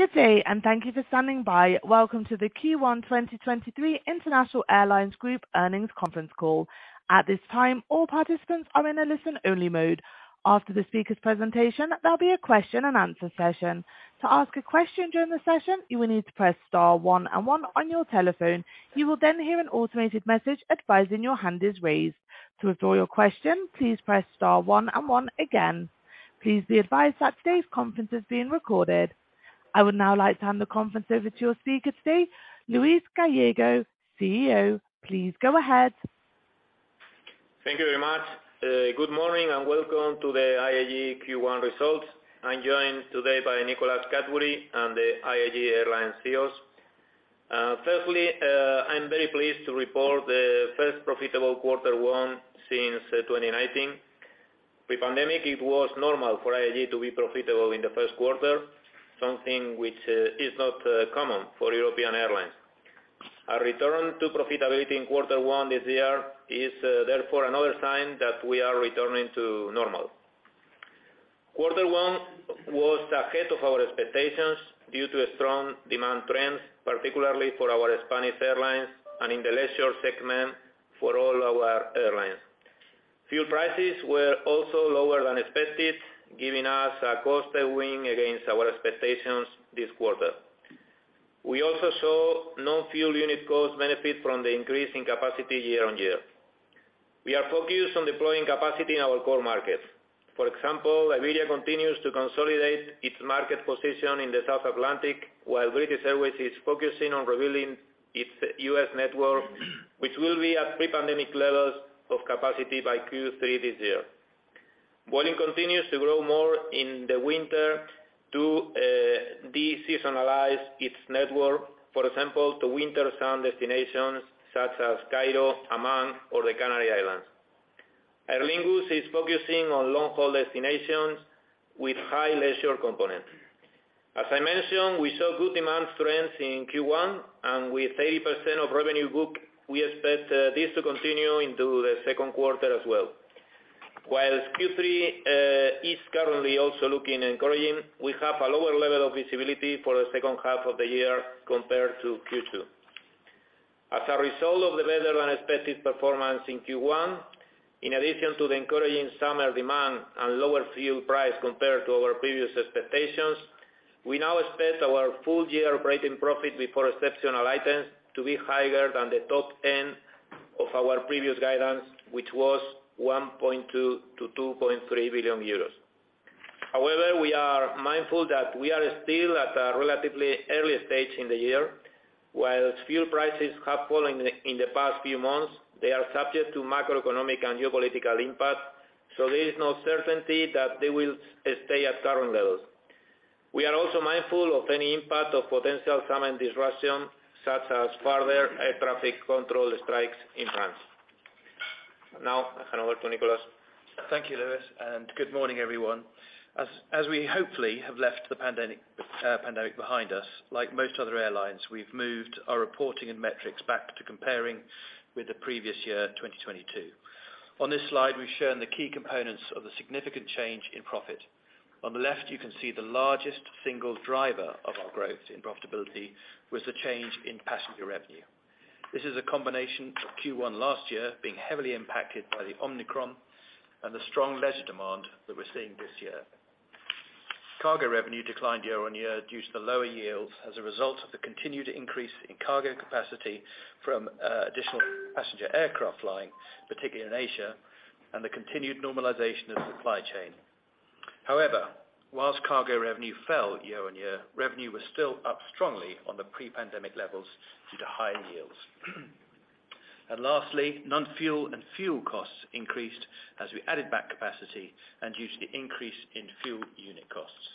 Good day, thank you for standing by. Welcome to the Q1 2023 International Airlines Group Earnings Conference Call. At this time, all participants are in a listen-only mode. After the speaker's presentation, there'll be a question-and-answer session. To ask a question during the session, you will need to press star one and one on your telephone. You will hear an automated message advising your hand is raised. To withdraw your question, please press star one and one again. Please be advised that today's conference is being recorded. I would now like to hand the conference over to your speaker today, Luis Gallego, CEO. Please go ahead. Thank you very much. Good morning and welcome to the IAG Q1 results. I'm joined today by Nicholas Cadbury and the IAG Airline CEOs. Firstly, I'm very pleased to report the first profitable quarter one since 2019. Pre-pandemic, it was normal for IAG to be profitable in the first quarter, something which is not common for European airlines. Our return to profitability in quarter one this year is therefore another sign that we are returning to normal. Quarter one was ahead of our expectations due to strong demand trends, particularly for our Spanish airlines and in the leisure segment for all our airlines. Fuel prices were also lower than expected, giving us a cost win against our expectations this quarter. We also saw non-fuel unit costs benefit from the increase in capacity year-on-year. We are focused on deploying capacity in our core markets. For example, Iberia continues to consolidate its market position in the South Atlantic, while British Airways is focusing on revealing its U.S. network, which will be at pre-pandemic levels of capacity by Q3 this year. Vueling continues to grow more in the winter to de-seasonalize its network. For example, to winter sun destinations such as Cairo, Amman, or the Canary Islands. Aer Lingus is focusing on long-haul destinations with high leisure components. As I mentioned, we saw good demand trends in Q1, and with 30% of revenue booked, we expect this to continue into the second quarter as well. Q3 is currently also looking encouraging, we have a lower level of visibility for the second half of the year compared to Q2. As a result of the better-than-expected performance in Q1, in addition to the encouraging summer demand and lower fuel price compared to our previous expectations, we now expect our full-year operating profit before exceptional items to be higher than the top end of our previous guidance, which was 1.2 billion-2.3 billion euros. However, we are mindful that we are still at a relatively early stage in the year. Whilst fuel prices have fallen in the past few months, they are subject to macroeconomic and geopolitical impact, so there is no certainty that they will stay at current levels. We are also mindful of any impact of potential demand disruption such as further air traffic control strikes in France. I hand over to Nicholas. Thank you, Luis. Good morning, everyone. As we hopefully have left the pandemic behind us, like most other airlines, we've moved our reporting and metrics back to comparing with the previous year, 2022. On this slide, we've shown the key components of the significant change in profit. On the left, you can see the largest single driver of our growth in profitability was the change in passenger revenue. This is a combination of Q1 last year being heavily impacted by the Omicron and the strong leisure demand that we're seeing this year. Cargo revenue declined year-on-year due to the lower yields as a result of the continued increase in cargo capacity from additional passenger aircraft flying, particularly in Asia, and the continued normalization of supply chain. However, whilst cargo revenue fell year-over-year, revenue was still up strongly on the pre-pandemic levels due to higher yields. Lastly, non-fuel and fuel costs increased as we added back capacity and due to the increase in fuel unit costs.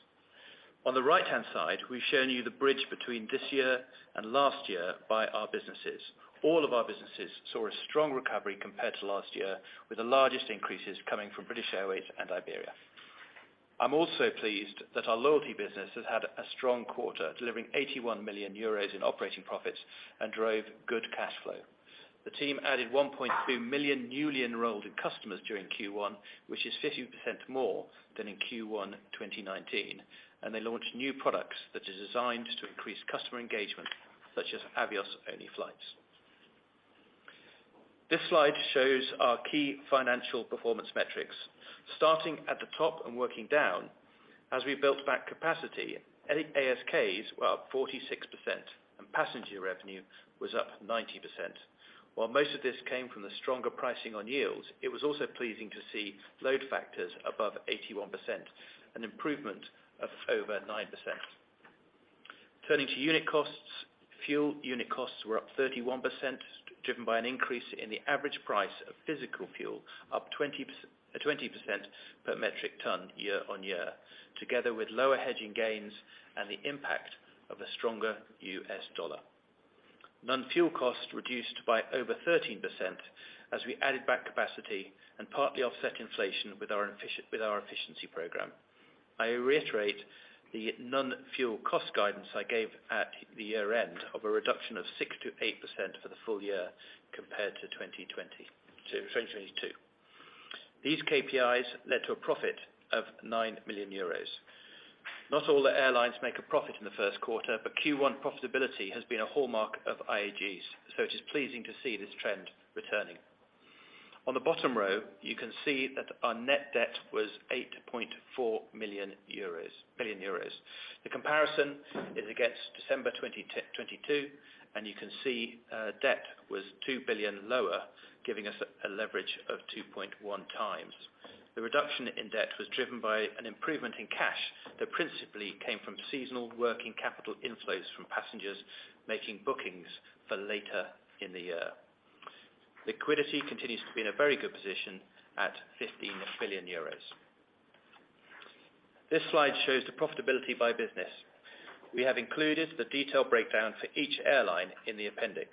On the right-hand side, we've shown you the bridge between this year and last year by our businesses. All of our businesses saw a strong recovery compared to last year, with the largest increases coming from British Airways and Iberia. I'm also pleased that our loyalty business has had a strong quarter, delivering 81 million euros in operating profits and drove good cash flow. The team added 1.2 million newly enrolled customers during Q1, which is 50% more than in Q1 2019, and they launched new products that are designed to increase customer engagement, such as Avios-only flights. This slide shows our key financial performance metrics. Starting at the top and working down, as we built back capacity, ASKs were up 46% and passenger revenue was up 90%. Most of this came from the stronger pricing on yields, it was also pleasing to see load factors above 81%, an improvement of over 9%. Turning to unit costs, fuel unit costs were up 31%, driven by an increase in the average price of physical fuel, up 20%, 20% per metric ton year-on-year, together with lower hedging gains and the impact of a stronger US dollar. Non-fuel costs reduced by over 13% as we added back capacity and partly offset inflation with our efficiency program. I reiterate the non-fuel cost guidance I gave at the year-end of a reduction of 6%-8% for the full year compared to 2020-2022. These KPIs led to a profit of 9 million euros. Not all the airlines make a profit in the first quarter, but Q1 profitability has been a hallmark of IAG's, so it is pleasing to see this trend returning. On the bottom row, you can see that our net debt was 8.4 billion euros. The comparison is against December 2022, and you can see debt was 2 billion lower, giving us a leverage of 2.1 times. The reduction in debt was driven by an improvement in cash that principally came from seasonal working capital inflows from passengers making bookings for later in the year. Liquidity continues to be in a very good position at 15 billion euros. This slide shows the profitability by business. We have included the detailed breakdown for each airline in the appendix.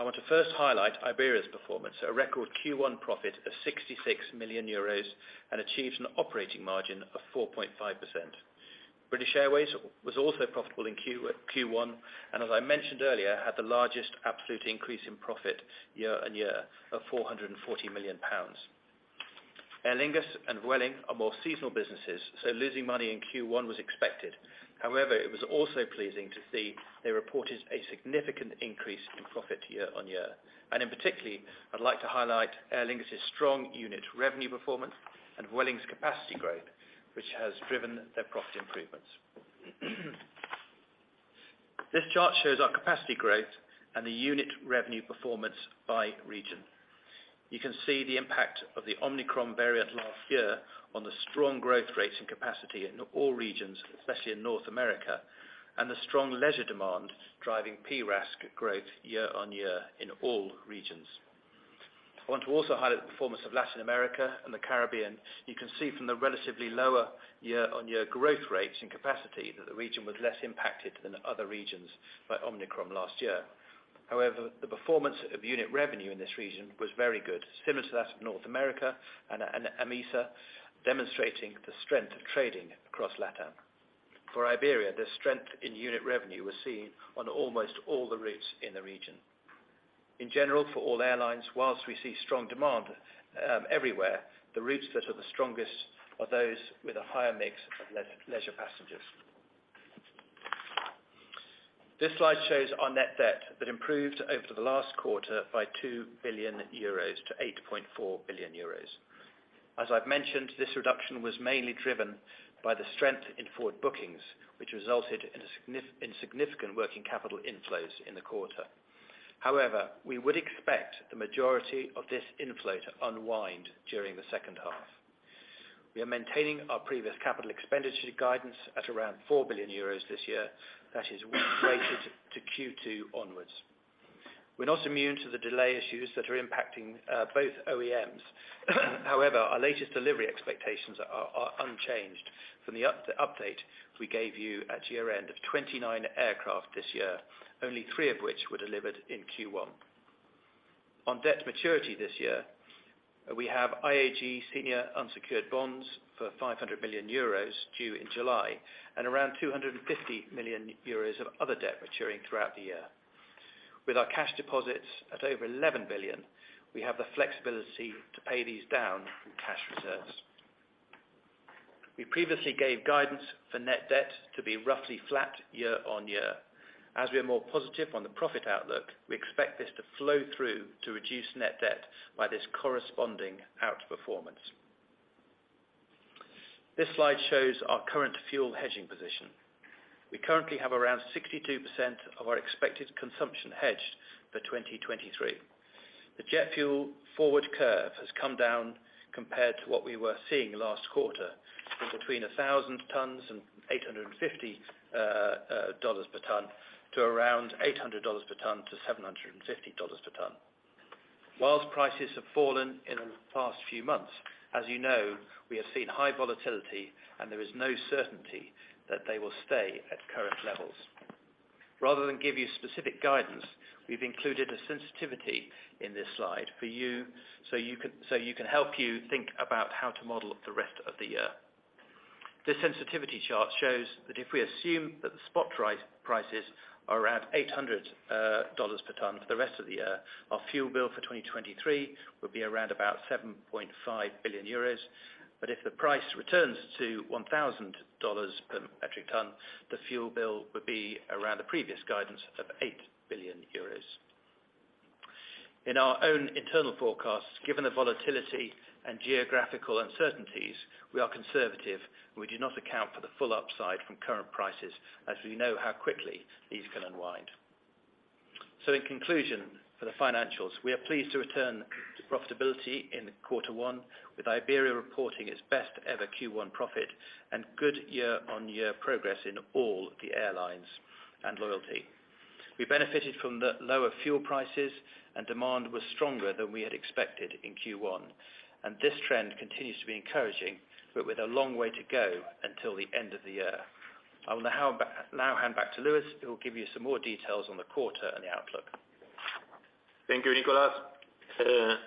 I want to first highlight Iberia's performance, a record Q1 profit of 66 million euros and achieves an operating margin of 4.5%. British Airways was also profitable in Q1, and as I mentioned earlier, had the largest absolute increase in profit year on year of 440 million pounds. Aer Lingus and Vueling are more seasonal businesses, so losing money in Q1 was expected. However, it was also pleasing to see they reported a significant increase in profit year on year. In particular, I'd like to highlight Aer Lingus' strong unit revenue performance and Vueling's capacity growth, which has driven their profit improvements. This chart shows our capacity growth and the unit revenue performance by region. You can see the impact of the Omicron variant last year on the strong growth rates and capacity in all regions, especially in North America, and the strong leisure demand driving PRASK growth year on year in all regions. I want to also highlight the performance of Latin America and the Caribbean. You can see from the relatively lower year on year growth rates and capacity that the region was less impacted than other regions by Omicron last year. However, the performance of unit revenue in this region was very good, similar to that of North America and AMESA, demonstrating the strength of trading across LatAm. For Iberia, the strength in unit revenue was seen on almost all the routes in the region. In general, for all airlines, whilst we see strong demand everywhere, the routes that are the strongest are those with a higher mix of leisure passengers. This slide shows our net debt that improved over the last quarter by 2 billion euros to 8.4 billion euros. As I've mentioned, this reduction was mainly driven by the strength in forward bookings, which resulted in significant working capital inflows in the quarter. However, we would expect the majority of this inflow to unwind during the second half. We are maintaining our previous capital expenditure guidance at around 4 billion euros this year. That is weighted to Q2 onwards. We're not immune to the delay issues that are impacting both OEMs. Our latest delivery expectations are unchanged from the update we gave you at year-end of 29 aircraft this year, only three of which were delivered in Q1. On debt maturity this year, we have IAG senior unsecured bonds for 500 million euros due in July and around 250 million euros of other debt maturing throughout the year. With our cash deposits at over 11 billion, we have the flexibility to pay these down from cash reserves. We previously gave guidance for net debt to be roughly flat year-on-year. We are more positive on the profit outlook, we expect this to flow through to reduce net debt by this corresponding outperformance. This slide shows our current fuel hedging position. We currently have around 62% of our expected consumption hedged for 2023. The jet fuel forward curve has come down compared to what we were seeing last quarter from between 1,000 tons and $850 per ton to around $800 per ton-$750 per ton. While prices have fallen in the past few months, as you know, we have seen high volatility, and there is no certainty that they will stay at current levels. Rather than give you specific guidance, we've included a sensitivity in this slide for you so you can help you think about how to model the rest of the year. This sensitivity chart shows that if we assume that the spot prices are around $800 per ton for the rest of the year, our fuel bill for 2023 would be around about 7.5 billion euros. If the price returns to $1,000 per metric ton, the fuel bill would be around the previous guidance of 8 billion euros. In our own internal forecasts, given the volatility and geographical uncertainties, we are conservative, and we do not account for the full upside from current prices, as we know how quickly these can unwind. In conclusion, for the financials, we are pleased to return to profitability in quarter 1 with Iberia reporting its best ever Q1 profit and good year-on-year progress in all the airlines and loyalty. We benefited from the lower fuel prices and demand was stronger than we had expected in Q1, and this trend continues to be encouraging, but with a long way to go until the end of the year. I will now hand back to Luis, who will give you some more details on the quarter and the outlook. Thank you, Nicholas.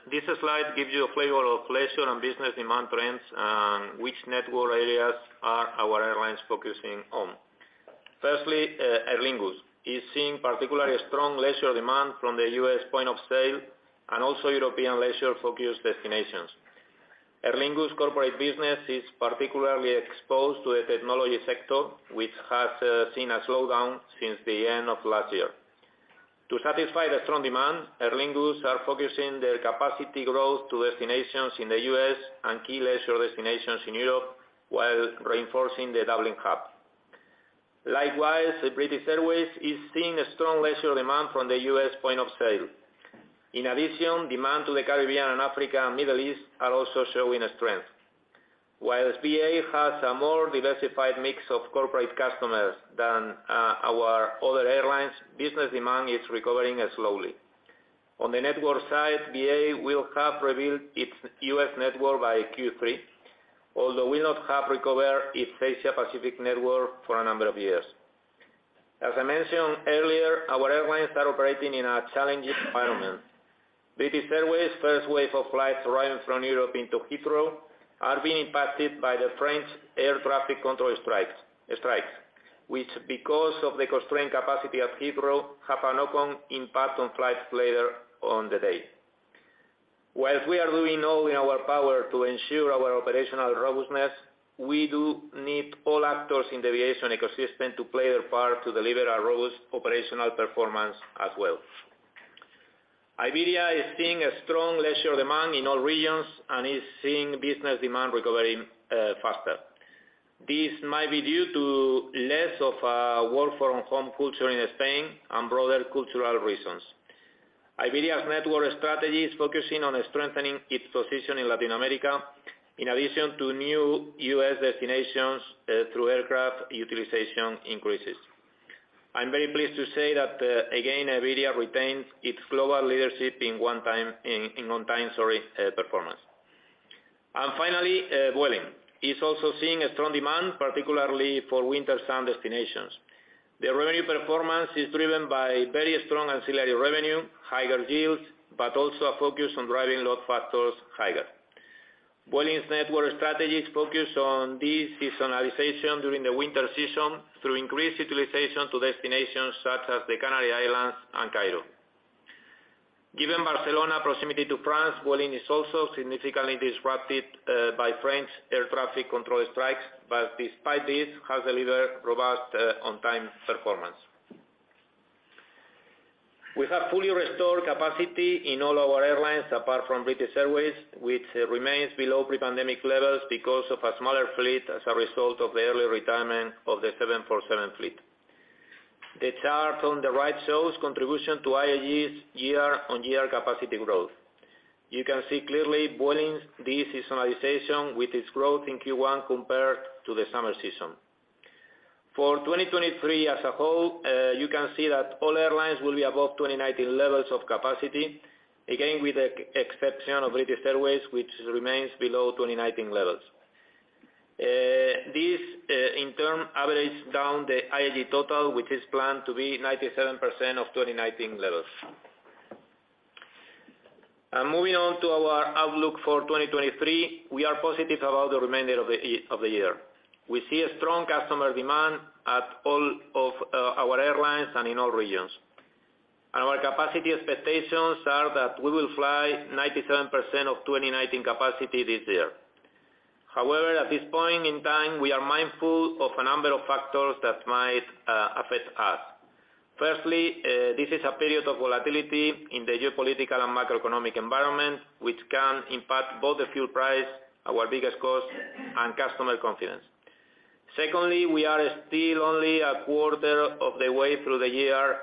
This slide gives you a flavor of leisure and business demand trends and which network areas are our airlines focusing on. Aer Lingus is seeing particularly strong leisure demand from the U.S. point of sale and also European leisure-focused destinations. Aer Lingus corporate business is particularly exposed to the technology sector, which has seen a slowdown since the end of last year. To satisfy the strong demand, Aer Lingus are focusing their capacity growth to destinations in the U.S. and key leisure destinations in Europe, while reinforcing the Dublin hub. British Airways is seeing a strong leisure demand from the U.S. point of sale. Demand to the Caribbean and Africa and Middle East are also showing a strength. BA has a more diversified mix of corporate customers than our other airlines, business demand is recovering slowly. On the network side, BA will have revealed its US network by Q3, although will not have recovered its Asia Pacific network for a number of years. As I mentioned earlier, our airlines are operating in a challenging environment. British Airways first wave of flights arriving from Europe into Heathrow are being impacted by the French air traffic control strikes, which, because of the constrained capacity of Heathrow, have a knock-on impact on flights later on the day. Whilst we are doing all in our power to ensure our operational robustness, we do need all actors in the aviation ecosystem to play their part to deliver a robust operational performance as well. Iberia is seeing a strong leisure demand in all regions and is seeing business demand recovering faster. This might be due to less of a work from home culture in Spain and broader cultural reasons. Iberia's network strategy is focusing on strengthening its position in Latin America, in addition to new US destinations, through aircraft utilization increases. I'm very pleased to say that, again, Iberia retains its global leadership in on time, sorry, performance. Finally, Vueling is also seeing a strong demand, particularly for winter sun destinations. The revenue performance is driven by very strong ancillary revenue, higher yields, but also a focus on driving load factors higher. Vueling's network strategy is focused on de-seasonalization during the winter season through increased utilization to destinations such as the Canary Islands and Cairo. Given Barcelona proximity to France, Vueling is also significantly disrupted by French air traffic control strikes, but despite this, has delivered robust on time performance. We have fully restored capacity in all our airlines, apart from British Airways, which remains below pre-pandemic levels because of a smaller fleet as a result of the early retirement of the 747 fleet. The chart on the right shows contribution to IAG's year-on-year capacity growth. You can see clearly Vueling's de-seasonalization with its growth in Q1 compared to the summer season. For 2023 as a whole, you can see that all airlines will be above 2019 levels of capacity, again with the exception of British Airways, which remains below 2019 levels. This, in turn, averages down the IAG total, which is planned to be 97% of 2019 levels. Moving on to our outlook for 2023, we are positive about the remainder of the year. We see a strong customer demand at all of our airlines and in all regions. Our capacity expectations are that we will fly 97% of 2019 capacity this year. However, at this point in time, we are mindful of a number of factors that might affect us. Firstly, this is a period of volatility in the geopolitical and macroeconomic environment, which can impact both the fuel price, our biggest cost, and customer confidence. Secondly, we are still only a quarter of the way through the year,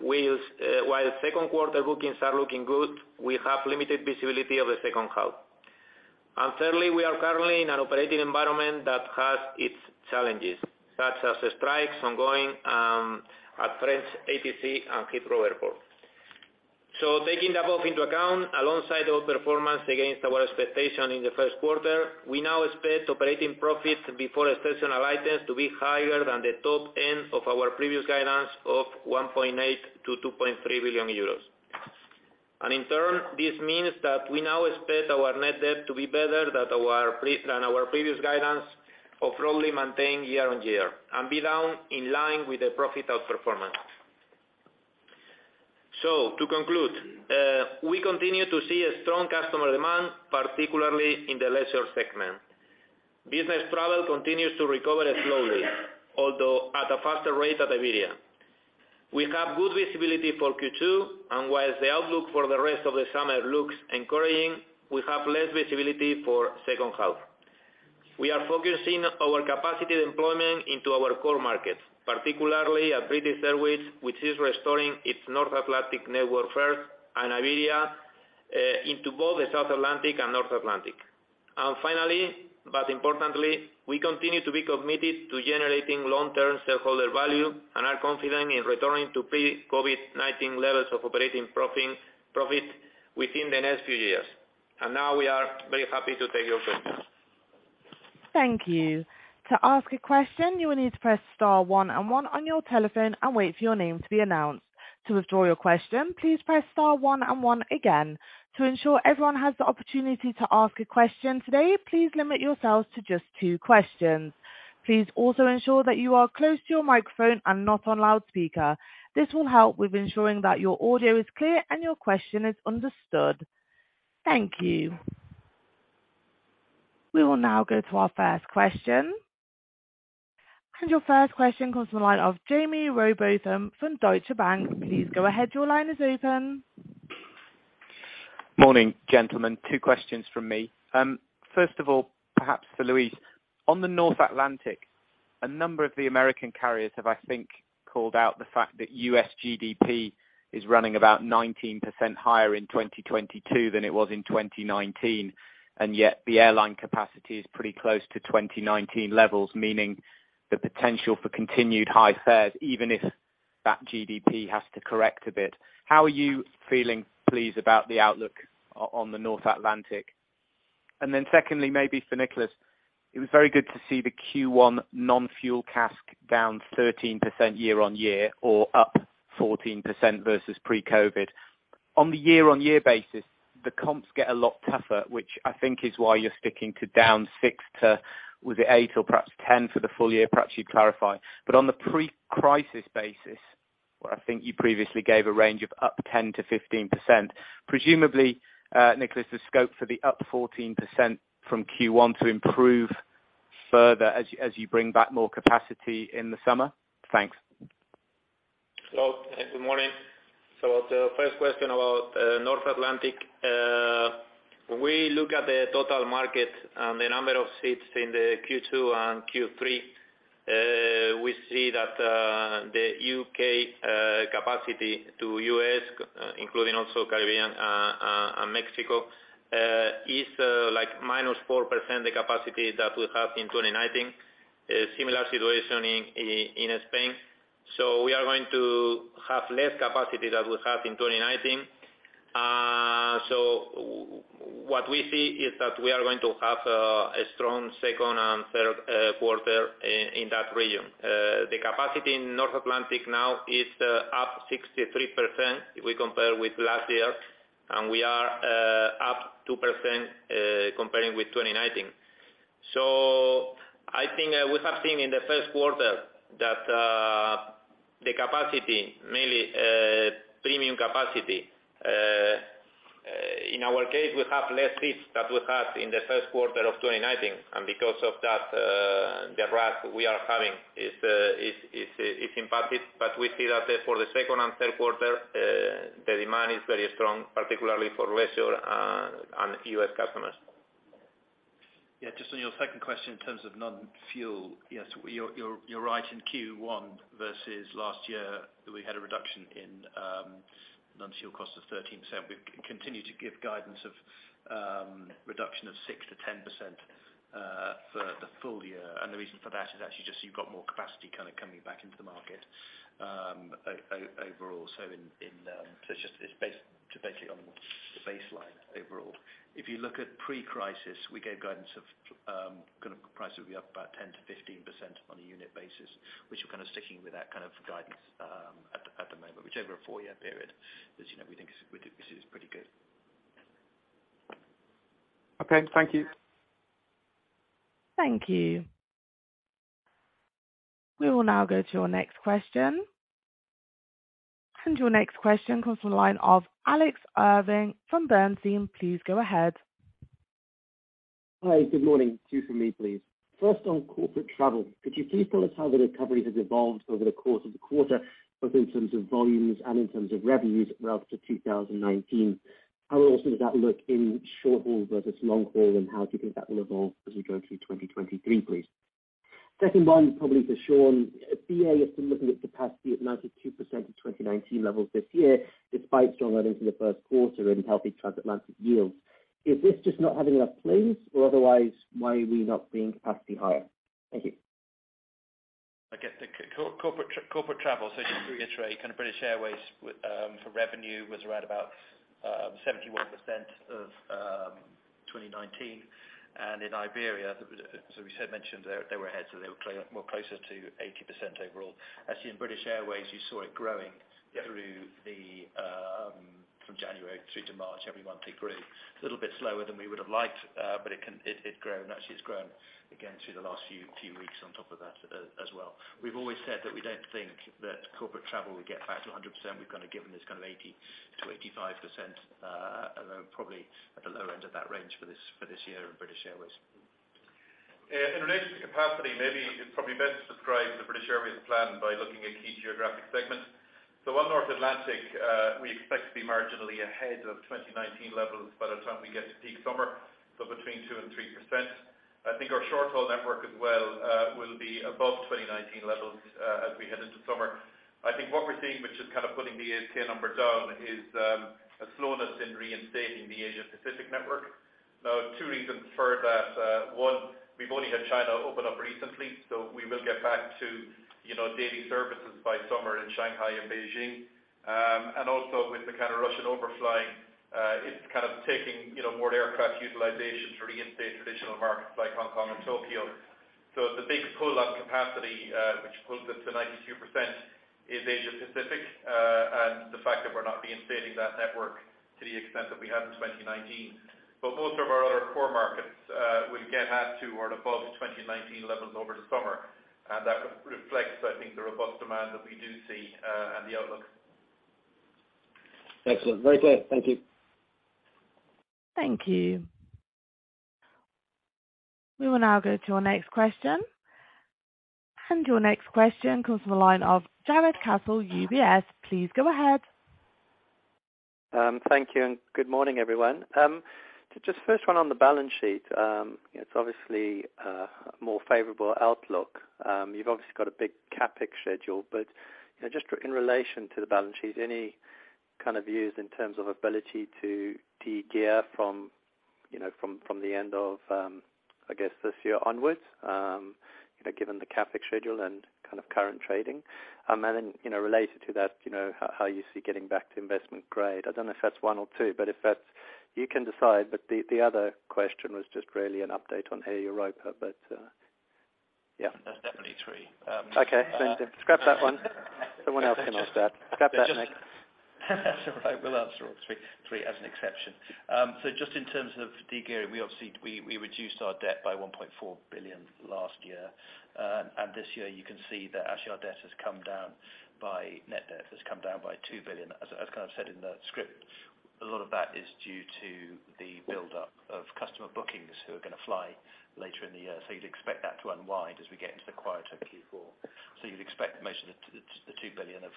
while second quarter bookings are looking good, we have limited visibility of the second half. Thirdly, we are currently in an operating environment that has its challenges, such as strikes ongoing at French ATC and Heathrow Airport. Taking the above into account, alongside our performance against our expectation in the first quarter, we now expect operating profits before exceptional items to be higher than the top end of our previous guidance of 1.8 billion-2.3 billion euros. In turn, this means that we now expect our net debt to be better than our previous guidance of probably maintained year-on-year and be down in line with the profit of performance. To conclude, we continue to see a strong customer demand, particularly in the leisure segment. Business travel continues to recover slowly, although at a faster rate at Iberia. We have good visibility for Q2, and whilst the outlook for the rest of the summer looks encouraging, we have less visibility for second half. We are focusing our capacity deployment into our core markets, particularly at British Airways, which is restoring its North Atlantic network first, and Iberia, into both the South Atlantic and North Atlantic. Finally, but importantly, we continue to be committed to generating long-term shareholder value and are confident in returning to pre-COVID-19 levels of operating profit within the next few years. Now we are very happy to take your questions. Thank you. To ask a question, you will need to press star one and one on your telephone and wait for your name to be announced. To withdraw your question, please press star one and one again. To ensure everyone has the opportunity to ask a question today, please limit yourselves to just two questions. Please also ensure that you are close to your microphone and not on loudspeaker. This will help with ensuring that your audio is clear and your question is understood. Thank you. We will now go to our first question. Your first question comes from the line of Jaime Rowbotham from Deutsche Bank. Please go ahead. Your line is open. Morning, gentlemen. Two questions from me. First of all, perhaps for Luis. On the North Atlantic, a number of the American carriers have, I think, called out the fact that US GDP is running about 19% higher in 2022 than it was in 2019, and yet the airline capacity is pretty close to 2019 levels, meaning the potential for continued high fares, even if that GDP has to correct a bit. How are you feeling, please, about the outlook on the North Atlantic? Secondly, maybe for Nicholas. It was very good to see the Q1 non-fuel CASK down 13% year-on-year or up 14% versus pre-COVID. On the year-on-year basis, the comps get a lot tougher, which I think is why you're sticking to down 6% to with 8% or perhaps 10% for the full year? Perhaps you'd clarify. On the pre-crisis basis, where I think you previously gave a range of up 10%-15%, presumably, Nicholas, the scope for the up 14% from Q1 to improve further as you bring back more capacity in the summer. Thanks. Hello, good morning. The first question about North Atlantic. We look at the total market and the number of seats in the Q2 and Q3. We see that the UK capacity to US, including also Caribbean and Mexico, is like -4% the capacity that we have in 2019. A similar situation in Spain. We are going to have less capacity than we have in 2019. What we see is that we are going to have a strong second and third quarter in that region. The capacity in North Atlantic now is up 63% if we compare with last year, and we are up 2% comparing with 2019. I think we have seen in the first quarter that the capacity, mainly, premium capacity, in our case, we have less seats than we had in the first quarter of 2019. Because of that, the route we are having is impacted. We see that for the second and third quarter, the demand is very strong, particularly for leisure and US customers. Yeah, just on your second question in terms of non-fuel. Yes, you're right. In Q1 versus last year, we had a reduction in non-fuel costs of EUR 0.13. We've continued to give guidance of reduction of 6%-10% for the full year. The reason for that is actually just so you've got more capacity kind of coming back into the market overall. It's just, it's basically on the baseline overall. If you look at pre-crisis, we gave guidance of kind of price will be up about 10%-15% on a unit basis. We're still kind of sticking with that kind of guidance at the moment. Which over a four-year period is, you know, we think is pretty good. Okay. Thank you. Thank you. We will now go to our next question. Your next question comes from the line of Alex Irving from Bernstein. Please go ahead. Hi. Good morning. Two from me, please. First, on corporate travel, could you please tell us how the recovery has evolved over the course of the quarter, both in terms of volumes and in terms of revenues relative to 2019? How also does that look in short haul versus long haul, and how do you think that will evolve as we go through 2023, please? Second one, probably for Sean Doyle. British Airways has been looking at capacity at 92% of 2019 levels this year, despite strong earnings in the first quarter and healthy transatlantic yields. Is this just not having enough planes, or otherwise why are we not bringing capacity higher? Thank you. I guess the corporate travel. Just to reiterate, British Airways for revenue was 71% of 2019. In Iberia, as we said, mentioned, they were ahead, so they were closer to 80% overall. As in British Airways, you saw it growing through the from January through to March, every month, it grew. It's a little bit slower than we would've liked, but it grown. Actually, it's grown again through the last few weeks on top of that as well. We've always said that we don't think that corporate travel will get back to 100%. We've kind of given this kind of 80%-85%, and then probably at the lower end of that range for this, for this year in British Airways. In relation to capacity, maybe it's probably best to describe the British Airways plan by looking at key geographic segments. On North Atlantic, we expect to be marginally ahead of 2019 levels by the time we get to peak summer, so between 2% and 3%. I think our short-haul network as well, will be above 2019 levels, as we head into summer. I think what we're seeing, which is kind of putting the APK numbers down, is a slowness in reinstating the Asia-Pacific network. Two reasons for that. One, we've only had China open up recently, so we will get back to, you know, daily services by summer in Shanghai and Beijing. Also with the kind of Russian overflying it's kind of taking, you know, more aircraft utilization to reinstate traditional markets like Hong Kong and Tokyo. The big pull on capacity, which pulls up to 92% is Asia-Pacific. The fact that we're not reinstating that network to the extent that we have in 2019. Most of our other core markets will get half to or above 2019 levels over the summer. That reflects, I think, the robust demand that we do see, and the outlook. Excellent. Right. Thank you. Thank you. We will now go to our next question. Your next question comes from a line of Jarrod Castle, UBS. Please go ahead. Thank you and good morning, everyone. Just first one on the balance sheet. It's obviously a more favorable outlook. You've obviously got a big CapEx schedule, but, you know, just in relation to the balance sheet, any kind of views in terms of ability to de-gear from, you know, from the end of, I guess this year onwards, you know, given the CapEx schedule and kind of current trading. You know, related to that, you know, how you see getting back to investment grade. I don't know if that's one or two. You can decide. The other question was just really an update on Air Europa. There are definitely three. Okay. Scrap that one. Someone else can ask that. Scrap that, Nick. That's all right. We'll answer all three as an exception. Just in terms of de-gearing, we reduced our debt by 1.4 billion last year. This year, you can see that actually net debt has come down by 2 billion. As kind of said in the script, a lot of that is due to the buildup of customer bookings who are gonna fly later in the year. You'd expect that to unwind as we get into the quieter Q4. You'd expect most of the 2 billion of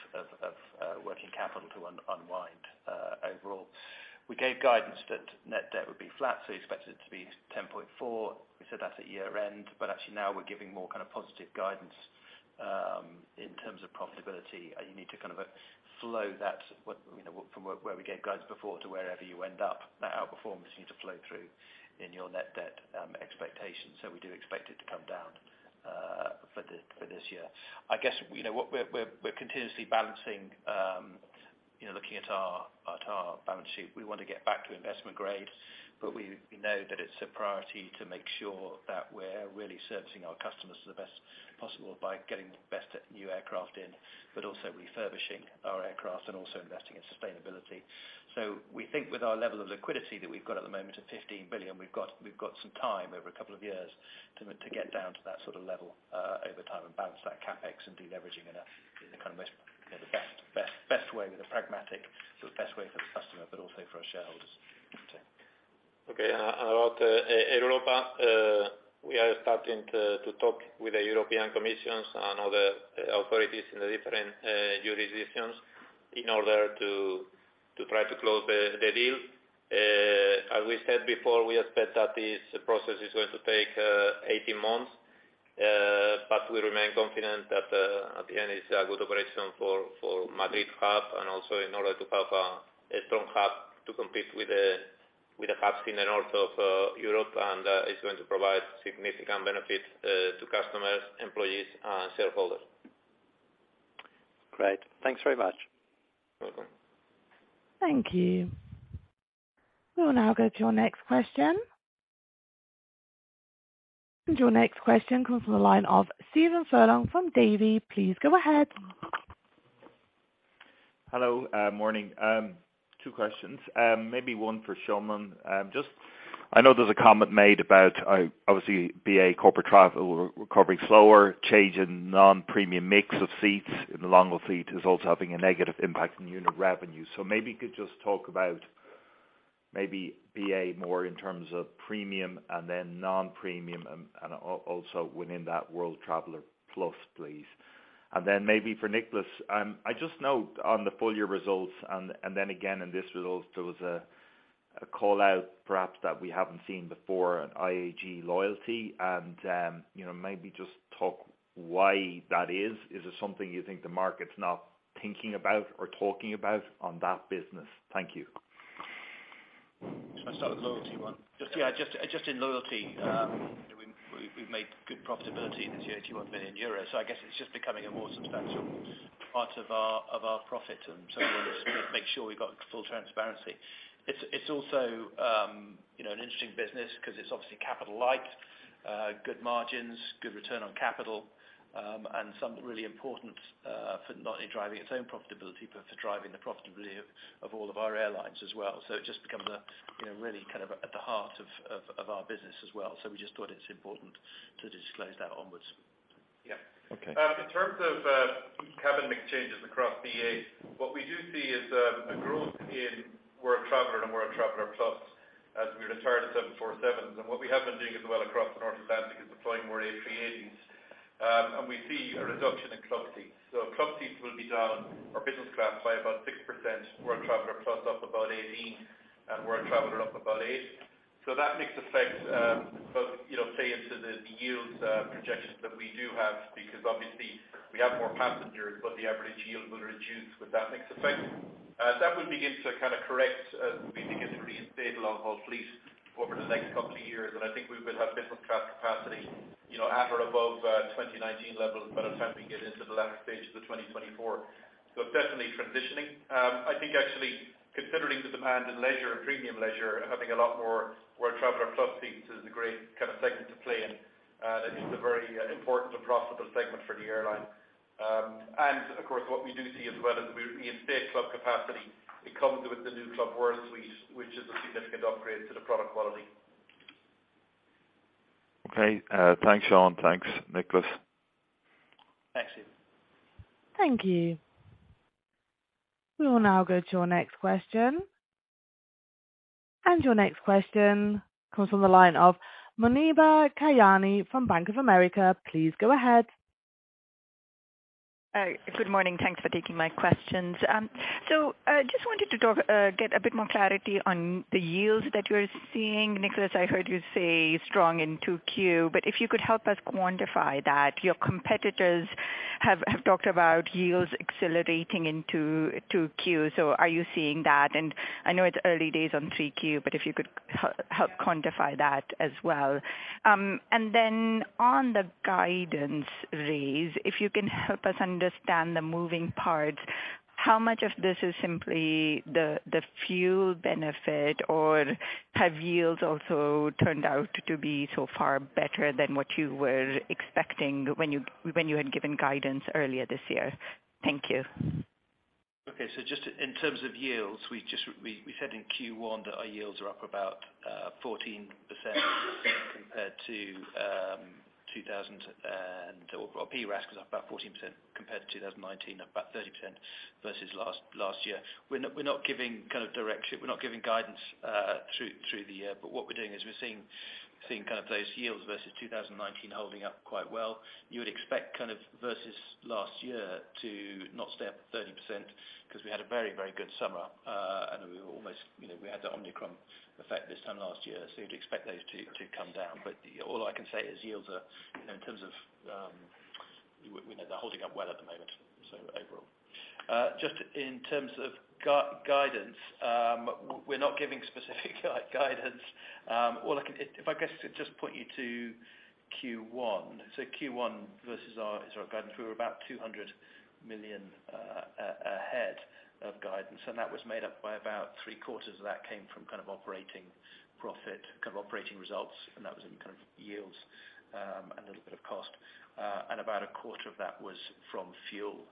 working capital to unwind overall. We gave guidance that net debt would be flat, you expect it to be 10.4 billion. We said that at year-end, but actually now we're giving more kind of positive guidance, in terms of profitability. You need to kind of flow that, what, you know, from where we gave guidance before to wherever you end up. That outperformance needs to flow through in your net debt, expectations. We do expect it to come down, for this year. I guess, you know what we're, we're continuously balancing, you know, looking at our, at our balance sheet. We want to get back to investment grade, but we know that it's a priority to make sure that we're really servicing our customers the best possible by getting the best new aircraft in, but also refurbishing our aircraft and also investing in sustainability. We think with our level of liquidity that we've got at the moment of 15 billion, we've got some time over a couple of years to get down to that sort of level over time and balance that CapEx and deleveraging in a kind of, you know, the best way with a pragmatic, the best way for the customer, but also for our shareholders. Okay. About Air Europa, we are starting to talk with the European Commission and other authorities in the different jurisdictions in order to try to close the deal. As we said before, we expect that this process is going to take 18 months, but we remain confident that at the end, it's a good operation for Madrid hub, and also in order to have a strong hub to compete with the hubs in the north of Europe. It's going to provide significant benefits to customers, employees, and shareholders. Great. Thanks very much. Welcome. Thank you. We will now go to our next question. Your next question comes from the line of Stephen Furlong from Davy. Please go ahead. Hello. Morning. Two questions, maybe one for Sean. Just I know there's a comment made about, obviously BA corporate travel recovering slower, change in non-premium mix of seats in the long-haul fleet is also having a negative impact on unit revenue. Maybe you could just talk about maybe BA more in terms of premium and then non-premium and also within that World Traveller Plus, please. Maybe for Nicholas, I just note on the full year results and then again in this results, there was a call-out perhaps that we haven't seen before on IAG Loyalty and, you know, maybe just talk why that is. Is it something you think the market's not thinking about or talking about on that business? Thank you. Should I start with loyalty one? Just, yeah, just in loyalty, you know, we've made good profitability this year, 21 million euros. I guess it's just becoming a more substantial part of our profit. we want to make sure we've got full transparency. It's also, you know, an interesting business 'cause it's obviously capital light, good margins, good return on capital, and something really important for not only driving its own profitability, but for driving the profitability of all of our airlines as well. it just becomes a, you know, really kind of at the heart of our business as well. we just thought it's important to disclose that onwards. Yeah. Okay. In terms of cabin mix changes across BA, what we do see is a growth in World Traveller and World Traveller Plus as we retire the 747s. What we have been doing as well across the North Atlantic is deploying more A380s, and we see a reduction in club seats. Club seats will be down our business class by about 6%, World Traveller Plus up about 18, and World Traveller up about eight. That mix effect, both, you know, play into the yields projections that we do have because obviously we have more passengers, but the average yield will reduce with that mix effect. That would begin to kind of correct as we begin to reintroduce long-haul fleet over the next couple of years. I think we will have different craft capacity, you know, at or above 2019 levels by the time we get into the latter stage of 2024. Definitely transitioning. I think actually considering the demand in leisure and premium leisure and having a lot more World Traveller Plus seats is a great kind of segment to play in. I think it's a very important and profitable segment for the airline. Of course, what we do see as well as we instate club capacity, it comes with the new Club World suite, which is a significant upgrade to the product quality. Okay. Thanks, Sean. Thanks, Nicholas. Thanks, Stephen. Thank you. We will now go to our next question. Your next question comes from the line of Muneeba Kayani from Bank of America. Please go ahead. Good morning. Thanks for taking my questions. just wanted to get a bit more clarity on the yields that you're seeing. Nicholas, I heard you say strong in 2Q, but if you could help us quantify that. Your competitors have talked about yields accelerating in 2Q, so are you seeing that? I know it's early days on 3Q, but if you could help quantify that as well. Then on the guidance raise, if you can help us understand the moving parts, how much of this is simply the fuel benefit, or have yields also turned out to be so far better than what you were expecting when you had given guidance earlier this year? Thank you. Just in terms of yields, we said in Q1 that our yields are up about 14% compared to Or PRAS was up about 14% compared to 2019, up about 30% versus last year. We're not, we're not giving kind of direction. We're not giving guidance through the year. What we're doing is we're seeing kind of those yields versus 2019 holding up quite well. You would expect kind of versus last year to not stay up 30% 'cause we had a very, very good summer. We were almost, you know, we had the Omicron effect this time last year, so you'd expect those to come down. All I can say is yields are, you know, in terms of, you know, they're holding up well at the moment, so overall. Just in terms of guidance, we're not giving specific guidance. If I could just point you to Q1. Q1 versus our, sort of, guidance, we were about 200 million ahead of guidance, and that was made up by about three-quarters of that came from kind of operating profit, kind of operating results, and that was in kind of yields, and a little bit of cost. About a quarter of that was from fuel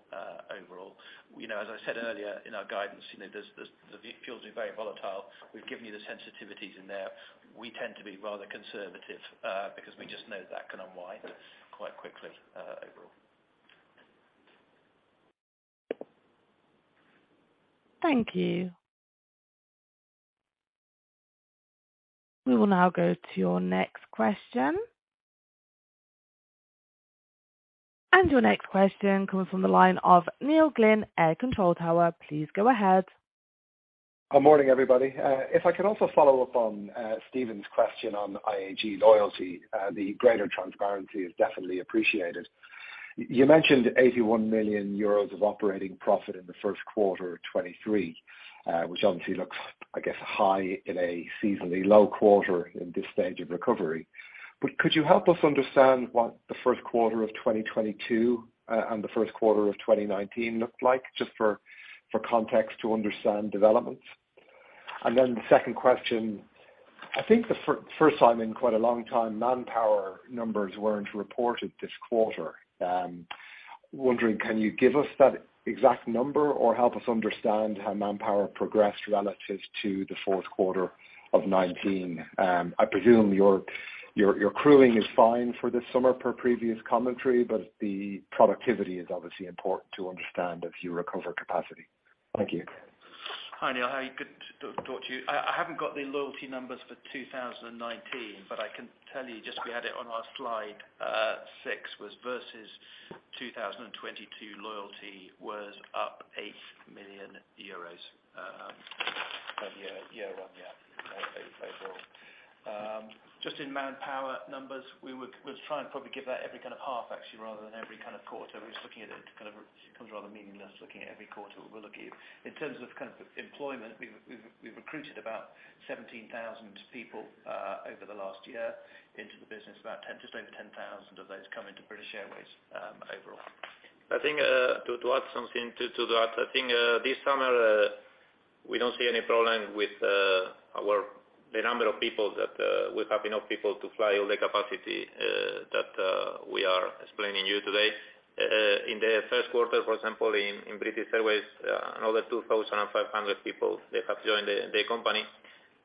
overall. You know, as I said earlier in our guidance, you know, there's The fuels are very volatile. We've given you the sensitivities in there. We tend to be rather conservative, because we just know that can unwind quite quickly, overall. Thank you. We will now go to your next question. Your next question comes from the line of Neil Glynn, AIR Control Tower. Please go ahead. Good morning, everybody. If I can also follow up on Stephen's question on IAG Loyalty, the greater transparency is definitely appreciated. You mentioned 81 million euros of operating profit in the first quarter of 2023, which obviously looks, I guess, high in a seasonally low quarter in this stage of recovery. Could you help us understand what the first quarter of 2022 and the first quarter of 2019 looked like, just for context to understand developments? The second question, I think the first time in quite a long time, manpower numbers weren't reported this quarter. Wondering, can you give us that exact number or help us understand how manpower progressed relative to the fourth quarter of 2019? I presume your crewing is fine for this summer per previous commentary, but the productivity is obviously important to understand if you recover capacity. Thank you. Hi, Neil. How are you? Good to talk to you. I haven't got the loyalty numbers for 2019, but I can tell you just we had it on our slide, six was versus 2022, loyalty was up 8 million euros. Yeah, year one, yeah. EUR 8 overall. Just in manpower numbers, we'll try and probably give that every kind of half actually, rather than every kind of quarter. We're just looking at it kind of becomes rather meaningless looking at every quarter we're looking. In terms of kind of employment, we've, we've recruited about 17,000 people, over the last year into the business. About 10, just over 10,000 of those come into British Airways, overall. Mething to that, I think this summer, we don't see any problem with the number of people that we have enough people to fly all the capacity that we are explaining you today. In the first quarter, for example, in British Airways, another 2,500 people, they have joined the company.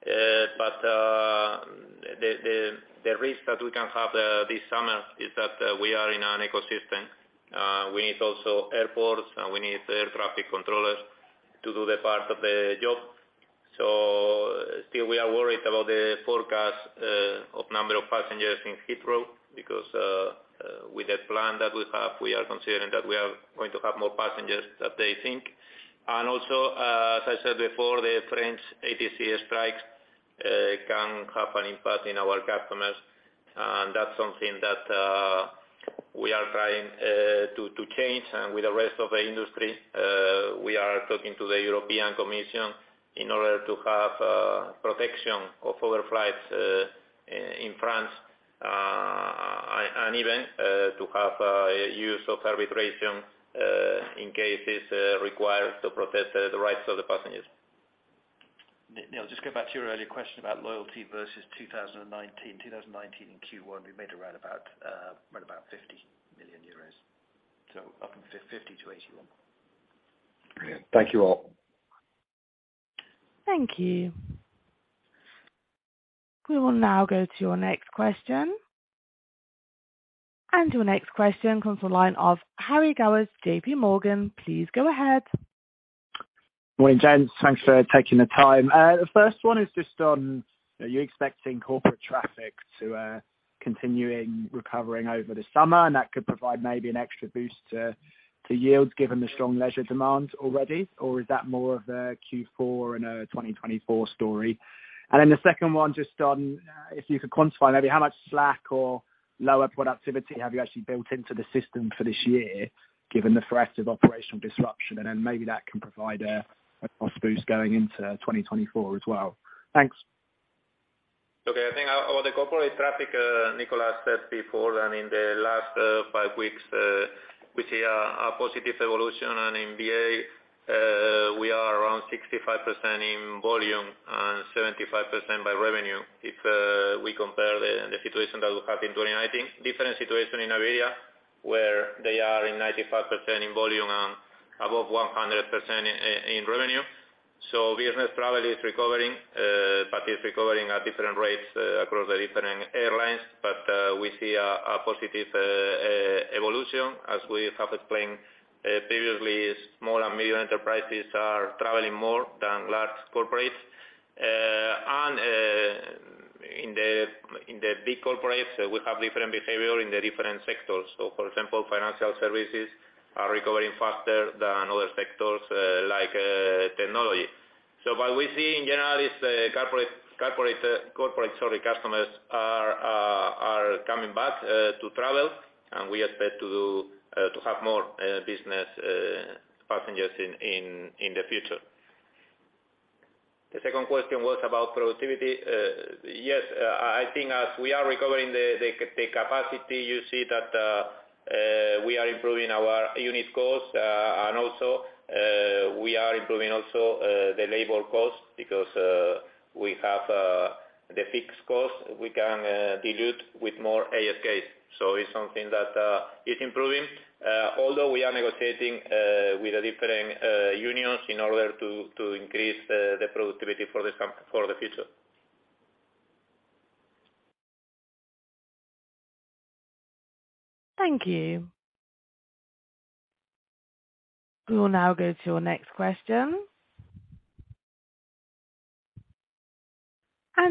The risk that we can have this summer is that we are in an ecosystem. We need also airports, and we need air traffic controllers to do the part of the job. Still we are worried about the forecast of number of passengers in Heathrow because with the plan that we have, we are considering that we are going to have more passengers than they think. Also, as I said before, the French ATC strikes can have an impact in our customers. That's something that we are trying to change, and with the rest of the industry, we are talking to the European Commission in order to have protection of our flights in France and even to have use of arbitration in case it's required to protect the rights of the passengers. Neil, just go back to your earlier question about loyalty versus 2019. 2019 in Q1, we made around about, right about 50 million euros. Up from 50 to 81. Great. Thank you all. Thank you. We will now go to your next question. Your next question comes from the line of Harry Gowers, JPMorgan, please go ahead. Morning, gents. Thanks for taking the time. The first one is just on, are you expecting corporate traffic to continuing recovering over the summer, and that could provide maybe an extra boost to yields given the strong leisure demand already? Or is that more of a Q4 and a 2024 story? The second one, just on, if you could quantify maybe how much slack or lower productivity have you actually built into the system for this year, given the threat of operational disruption, and then maybe that can provide a cost boost going into 2024 as well. Thanks. Okay. I think on the corporate traffic, Nicholas said before, I mean, the last five weeks, we see a positive evolution. In BA, we are around 65% in volume and 75% by revenue. If we compare the situation that we had in 2019. Different situation in Iberia, where they are in 95% in volume and above 100% in revenue. Business travel is recovering, but it's recovering at different rates across the different airlines. We see a positive evolution. We have explained previously, small and medium enterprises are traveling more than large corporates. In the big corporates, we have different behavior in the different sectors. For example, financial services are recovering faster than other sectors, like technology. What we see in general is corporate, sorry, customers are coming back to travel, and we expect to have more business passengers in the future. The second question was about productivity. Yes, I think as we are recovering the capacity, you see that we are improving our unit costs, and also, we are improving also the labor costs because we have the fixed costs we can dilute with more ASKs. It's something that is improving, although we are negotiating with the different unions in order to increase the productivity for the future. Thank you. We will now go to your next question.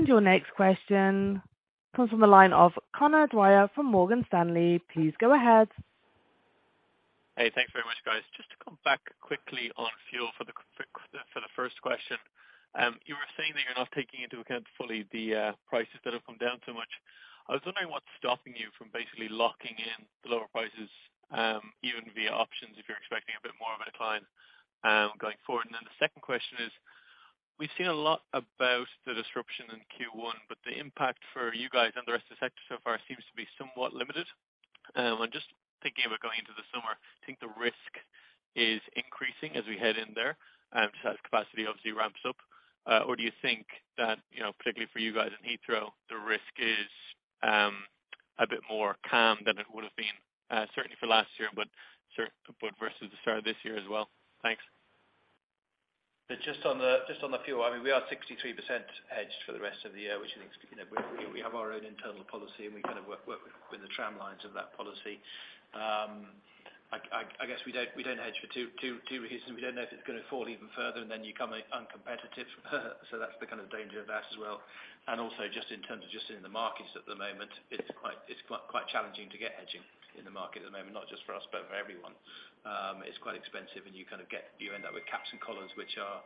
Your next question comes from the line of Conor Dwyer from Morgan Stanley. Please go ahead. Hey, thanks very much, guys. Just to come back quickly on fuel for the quick, for the first question. You were saying that you're not taking into account fully the prices that have come down so much. I was wondering what's stopping you from basically locking in the lower prices, even via options if you're expecting a bit more of a decline going forward. The second question is, we've seen a lot about the disruption in Q1, but the impact for you guys and the rest of the sector so far seems to be somewhat limited. I'm just thinking about going into the summer, think the risk is increasing as we head in there, as capacity obviously ramps up. Do you think that, you know, particularly for you guys in Heathrow, the risk is a bit more calm than it would've been, certainly for last year, but versus the start of this year as well? Thanks. Just on the fuel, I mean, we are 63% hedged for the rest of the year, which is, you know, we have our own internal policy, and we kind of work with the tramlines of that policy. I guess we don't hedge for two reasons. We don't know if it's gonna fall even further, and then you become uncompetitive. That's the kind of danger of that as well. Also, just in terms of in the markets at the moment, it's quite challenging to get hedging in the market at the moment, not just for us, but for everyone. It's quite expensive and You end up with caps and collars, which are,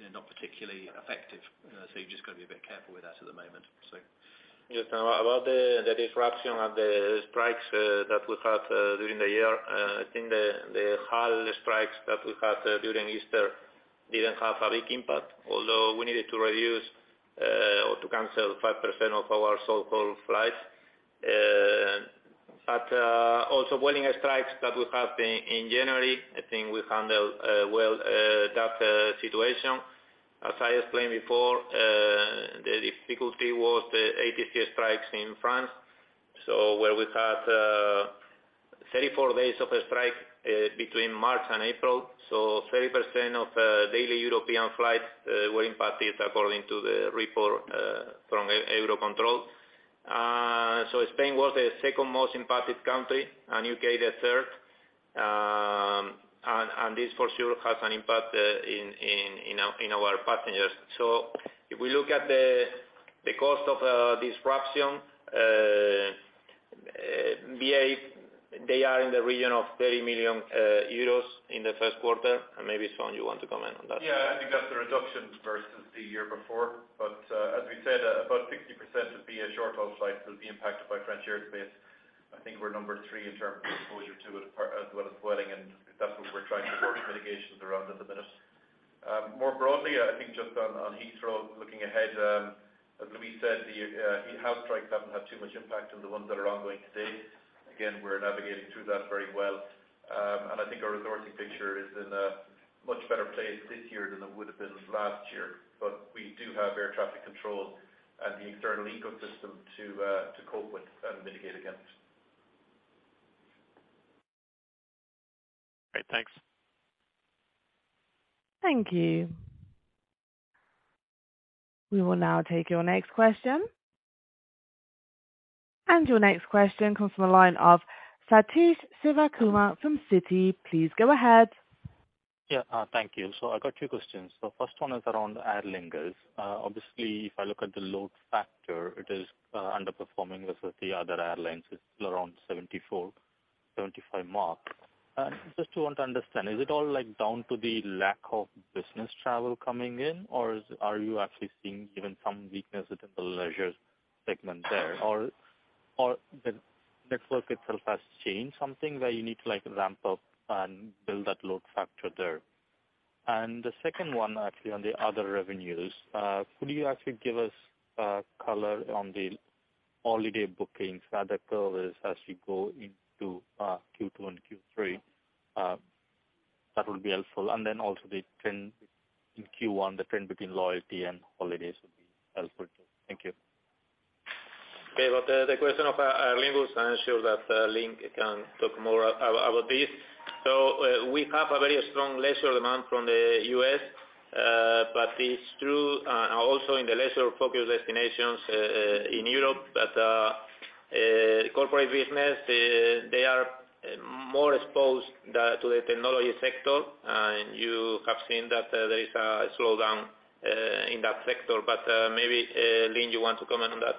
you know, not particularly effective. You know, you've just gotta be a bit careful with that at the moment, so. Yes. About the disruption and the strikes that we had during the year, I think the HAL strikes that we had during Easter didn't have a big impact, although we needed to reduce or to cancel 5% of our so-called flights. Also grounding strikes that we had in January, I think we handled well that situation. As I explained before, the difficulty was the ATC strikes in France. Where we had 34 days of a strike between March and April. 30% of daily European flights were impacted according to the report from EUROCONTROL. Spain was the second most impacted country, and UK the third. This for sure has an impact in our passengers. If we look at the cost of disruption, BA, they are in the region of 30 million euros in the first quarter. Maybe, Sean, you want to comment on that. Yeah, I think that's a reduction versus the year before. As we said, about 60% of BA short-haul flights will be impacted by French airspace. I think we're number three in terms of exposure to it as well as Vueling, and that's what we're trying to work mitigations around at the minute. More broadly, I think just on Heathrow, looking ahead, as Luis said, the Heathrow strikes haven't had too much impact on the ones that are ongoing today. Again, we're navigating through that very well. I think our resourcing picture is in a much better place this year than it would have been last year. We do have air traffic control and the external ecosystem to cope with and mitigate against. Great. Thanks. Thank you. We will now take your next question. Your next question comes from the line of Sathish Sivakumar from Citi. Please go ahead. Thank you. I got two questions. The first one is around Aer Lingus. Obviously, if I look at the load factor, it is underperforming as with the other airlines. It's still around 74, 75 mark. Just to want to understand, is it all, like, down to the lack of business travel coming in, or are you actually seeing even some weakness within the leisure segment there? Or the network itself has changed something where you need to, like, ramp up and build that load factor there. The second one, actually on the other revenues, could you actually give us color on the holiday bookings, how the curve is as you go into Q2 and Q3? That would be helpful. Also the trend in Q1, the trend between loyalty and holidays would be helpful too. Thank you. Well, the question of Aer Lingus, I'm sure that Lynne can talk more about this. We have a very strong leisure demand from the U.S., but it's true also in the leisure-focused destinations in Europe. Corporate business, they are more exposed, the, to the technology sector, and you have seen that there is a slowdown in that sector. Maybe Lynne, you want to comment on that?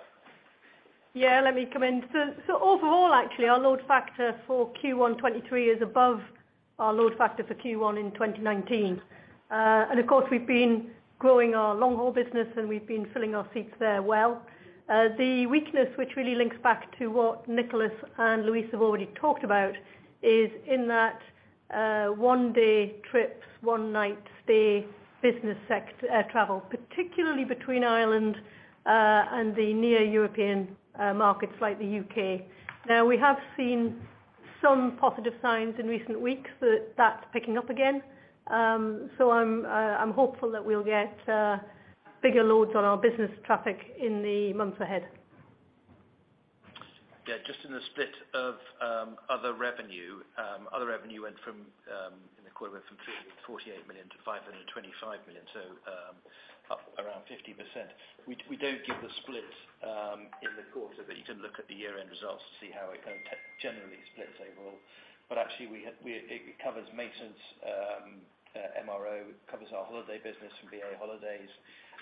Yeah, let me comment. Overall, actually, our load factor for Q1 2023 is above our load factor for Q1 in 2019. Of course, we've been growing our long-haul business, and we've been filling our seats there well. The weakness, which really links back to what Nicholas and Luis have already talked about, is in that one-day trips, one-night stay business travel, particularly between Ireland and the near European markets like the UK. We have seen some positive signs in recent weeks that that's picking up again. I'm hopeful that we'll get bigger loads on our business traffic in the months ahead. Just on the split of other revenue. Other revenue went from in the quarter, went from 348 million to 525 million. Up around 50%. We don't give the split in the quarter, but you can look at the year-end results to see how it kind of generally splits overall. Actually we have. It covers maintenance, MRO, it covers our holiday business from BA Holidays,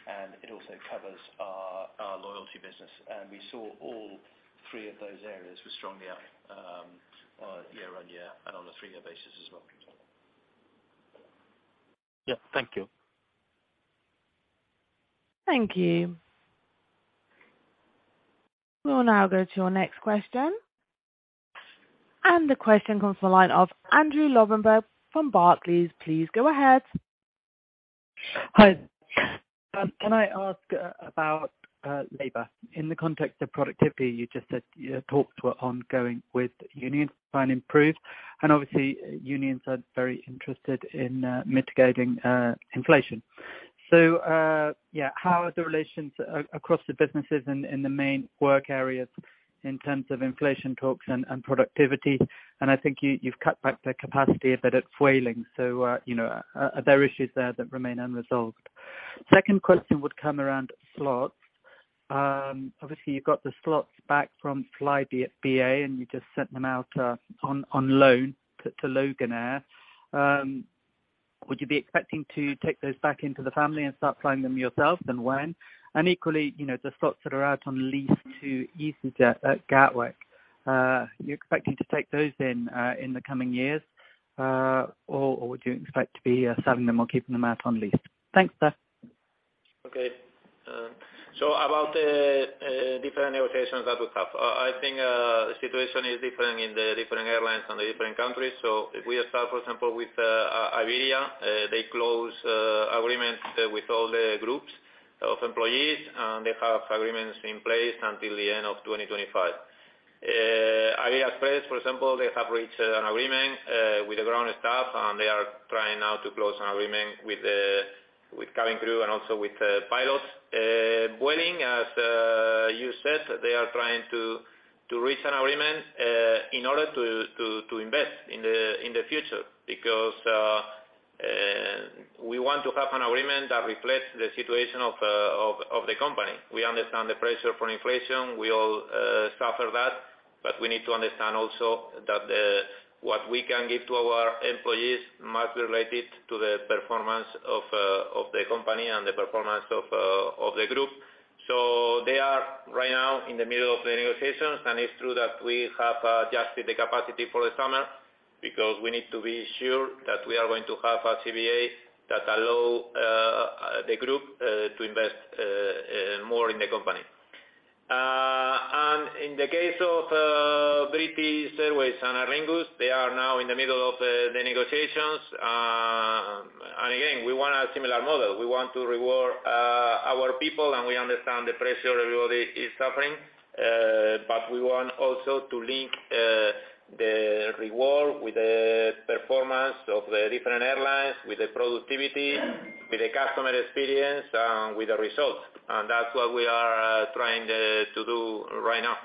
and it also covers our loyalty business. We saw all three of those areas were strongly up year on year and on a three-year basis as well. Yeah. Thank you. Thank you. We'll now go to your next question. The question comes from the line of Andrew Lobbenberg from Barclays. Please go ahead. Hi. Can I ask about labor? In the context of productivity, you just said your talks were ongoing with unions to try and improve, and obviously unions are very interested in mitigating inflation. Yeah. How are the relations across the businesses in the main work areas in terms of inflation talks and productivity? I think you've cut back the capacity a bit at Vueling. you know, are there issues there that remain unresolved? Second question would come around slots. Obviously you've got the slots back from Flybe at BA, and you just sent them out on loan to Loganair. Would you be expecting to take those back into the family and start flying them yourselves, and when? Equally, you know, the slots that are out on lease to, are you expecting to take those in in the coming years, or do you expect to be selling them or keeping them out on lease? Thanks, sir. Okay. About the different negotiations that we have. I think the situation is different in the different airlines and the different countries. If we start, for example, with Iberia, they close agreements with all the groups of employees, and they have agreements in place until the end of 2025. Iberia Express, for example, they have reached an agreement with the ground staff, and they are trying now to close an agreement with cabin crew and also with the pilots. Vueling, as you said, they are trying to reach an agreement in order to invest in the future because we want to have an agreement that reflects the situation of the company. We understand the pressure for inflation. We all suffer that. We need to understand also that the, what we can give to our employees must relate it to the performance of the company and the performance of the group. They are right now in the middle of the negotiations, and it's true that we have adjusted the capacity for the summer. We need to be sure that we are going to have a CBA that allow the group to invest more in the company. In the case of British Airways and Aer Lingus, they are now in the middle of the negotiations. Again, we want a similar model. We want to reward our people, and we understand the pressure everybody is suffering. We want also to link, the reward with the performance of the different airlines, with the productivity, with the customer experience, and with the results. That's what we are trying to do right now.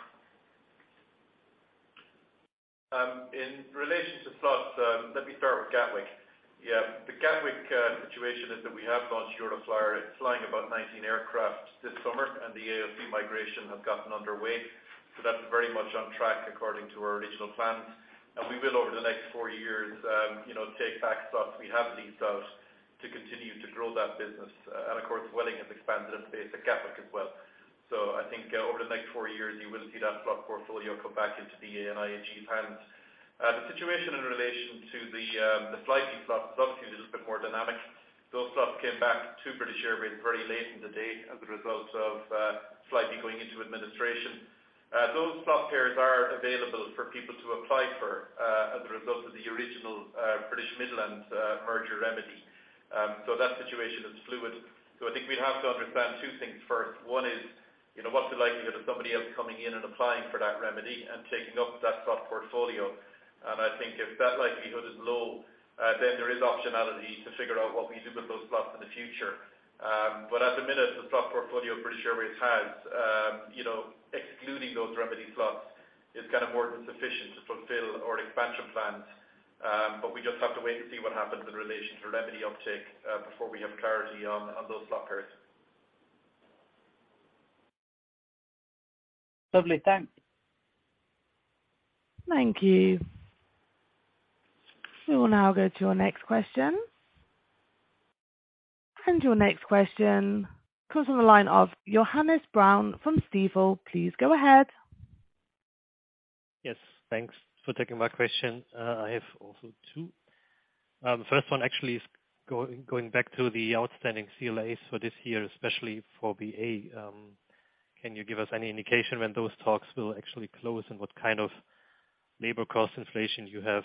In relation to slots, let me start with Gatwick. The Gatwick situation is that we have launched Euroflyer. It's flying about 19 aircraft this summer. The AOC migration has gotten underway. That's very much on track according to our original plans. We will, over the next four years, you know, take back slots we have leased out to continue to grow that business. Of course, Vueling has expanded its base at Gatwick as well. I think over the next four years, you will see that slot portfolio come back into the IAG plans. The situation in relation to the Flybe slots. The slots team is a bit more dynamic. Those slots came back to British Airways very late in the day as a result of Flybe going into administration. Those slot pairs are available for people to apply for, as a result of the original British Midland merger remedy. That situation is fluid. I think we'd have to understand two things first. One is, you know, what's the likelihood of somebody else coming in and applying for that remedy and taking up that slot portfolio? I think if that likelihood is low, then there is optionality to figure out what we do with those slots in the future. At the minute, the slot portfolio British Airways has, you know, excluding those remedy slots, is kind of more than sufficient to fulfill our expansion plans. We just have to wait to see what happens in relation to remedy uptick, before we have clarity on those slot pairs. Lovely. Thanks. Thank you. We will now go to our next question. Your next question comes from the line of Johannes Braun from Stifel. Please go ahead. Yes, thanks for taking my question. I have also 2. The first one actually is going back to the outstanding CLAs for this year, especially for BA. Can you give us any indication when those talks will actually close, and what kind of labor cost inflation you have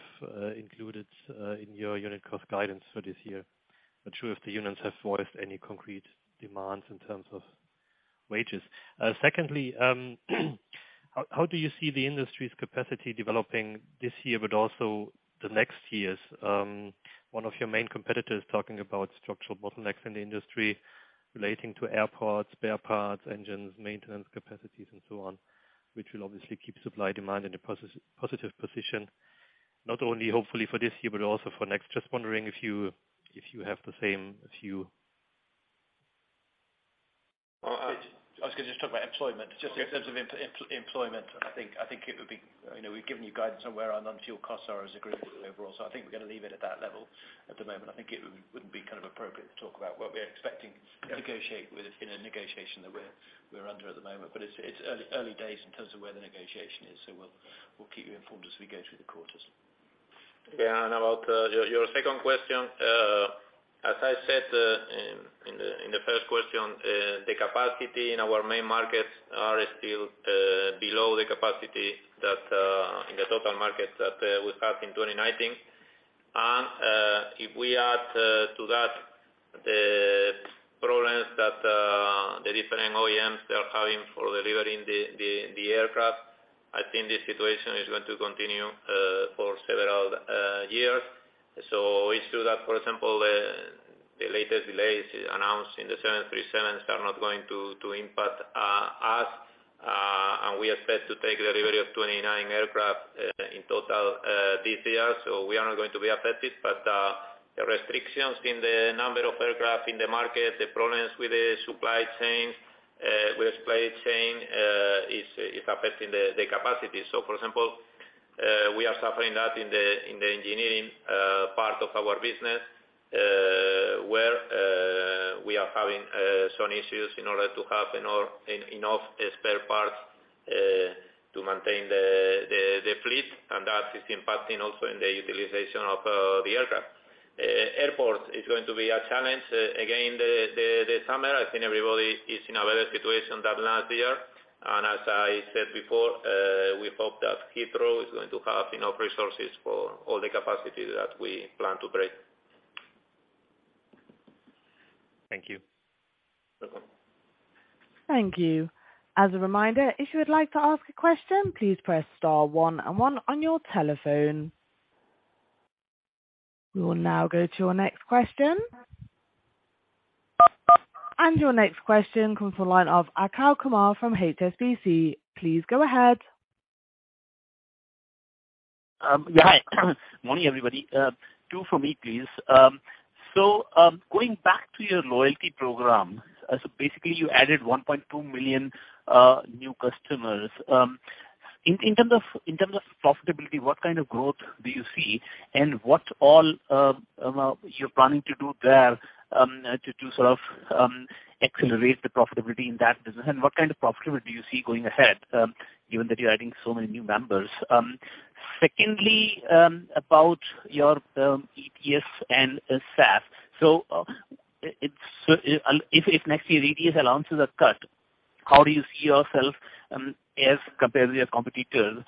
included in your unit cost guidance for this year? Not sure if the unions have voiced any concrete demands in terms of wages. Secondly, how do you see the industry's capacity developing this year, but also the next years? One of your main competitors talking about structural bottlenecks in the industry relating to airports, spare parts, engines, maintenance capacities and so on, which will obviously keep supply/demand in a positive position, not only hopefully for this year, but also for next. Just wondering if you have the same view. Well. I was gonna just talk about employment. Just in terms of employment, I think it would be. You know, we've given you guidance on where our non-fuel costs are as a group overall, so I think we're gonna leave it at that level at the moment. I think it wouldn't be kind of appropriate to talk about what we're expecting to negotiate with in a negotiation that we're under at the moment. It's early days in terms of where the negotiation is, so we'll keep you informed as we go through the quarters. About your second question. As I said, in the first question, the capacity in our main markets are still below the capacity that in the total markets that we had in 2019. If we add to that the problems that the different OEMs they are having for delivering the aircraft, I think this situation is going to continue for several years. It's true that, for example, the latest delays announced in the 737s are not going to impact us. We expect to take delivery of 29 aircraft in total this year, so we are not going to be affected. The restrictions in the number of aircraft in the market, the problems with the supply chains, with supply chain, is affecting the capacity. For example, we are suffering that in the engineering part of our business, where we are having some issues in order to have enough spare parts to maintain the fleet. That is impacting also in the utilization of the aircraft. Airport is going to be a challenge. Again, the summer, I think everybody is in a better situation than last year. As I said before, we hope that Heathrow is going to have enough resources for all the capacity that we plan to bring. Thank you. Welcome. Thank you. As a reminder, if you would like to ask a question, please press star one and one on your telephone. We will now go to our next question. Your next question comes from the line of Achal Kumar from HSBC. Please go ahead. Yeah. Hi. Morning, everybody. Two for me, please. Going back to your loyalty program, basically you added 1.2 million new customers. In terms of profitability, what kind of growth do you see, and what all you're planning to do there to sort of accelerate the profitability in that business? What kind of profitability do you see going ahead, given that you're adding so many new members? Secondly, about your EPS and SAF. It's if next year ETS allowances are cut, how do you see yourself as compared to your competitors?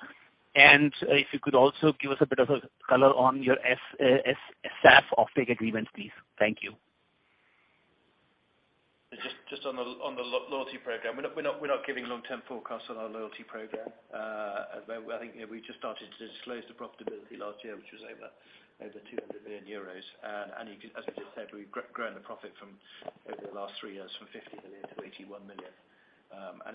If you could also give us a bit of a color on your SAF offtake agreements, please. Thank you. Just on the loyalty program, we're not giving long-term forecasts on our loyalty program. I think we just started to disclose the profitability last year, which was over 200 million euros. As we just said, we've grown the profit from over the last three years from 50 million to 81 million.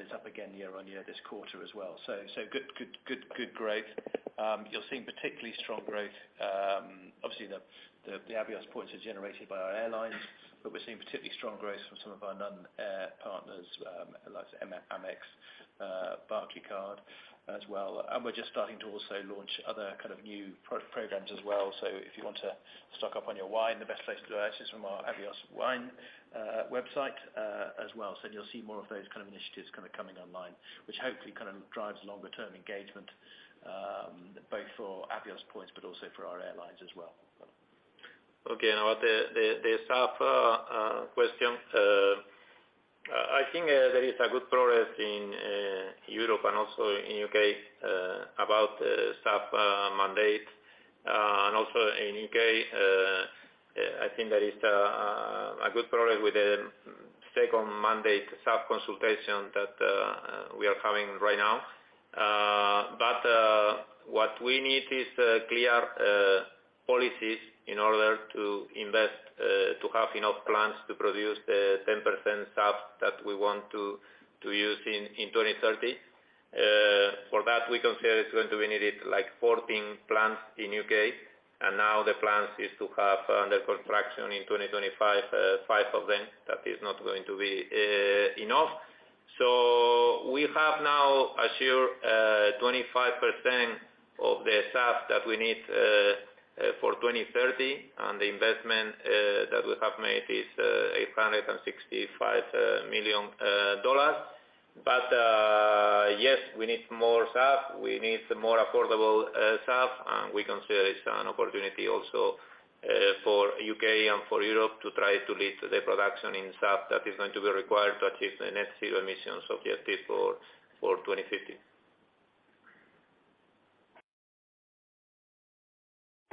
It's up again year-on-year this quarter as well. So good growth. You're seeing particularly strong growth. Obviously, the Avios points are generated by our airlines, but we're seeing particularly strong growth from some of our non-air partners, like Amex, Barclaycard as well. We're just starting to also launch other kind of new programs as well. If you want to stock up on your wine, the best place to do that is from our Avios wine website as well. You'll see more of those kind of initiatives kinda coming online, which hopefully kind of drives longer term engagement, both for Avios points but also for our airlines as well. Okay. Now the SAF question. I think there is good progress in Europe and also in UK about SAF mandate. Also in UK, I think there is good progress with the second mandate SAF consultation that we are having right now. What we need is clear policies in order to invest to have enough plants to produce the 10% SAF that we want to use in 2030. For that, we consider it's going to be needed like 14 plants in UK, and now the plan is to have under construction in 2025 five of them. That is not going to be enough. We have now assured 25% of the SAF that we need for 2030. The investment that we have made is $865 million. Yes, we need more SAF, we need more affordable SAF. We consider it an opportunity also for U.K. and for Europe to try to lead the production in SAF that is going to be required to achieve the net zero emissions of the IATA for 2050.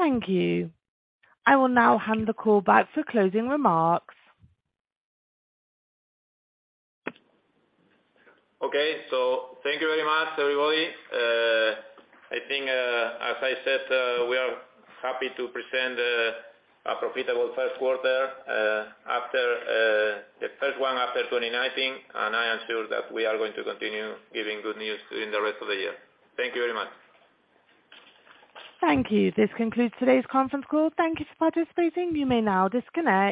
Thank you. I will now hand the call back for closing remarks. Okay. Thank you very much, everybody. I think, as I said, we are happy to present a profitable first quarter, after the first one after 2019. I am sure that we are going to continue giving good news in the rest of the year. Thank you very much. Thank you. This concludes today's conference call. Thank you for participating. You may now disconnect.